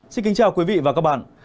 xin kính chào quý vị và các bạn